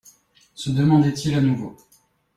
Se demandait-il à nouveau.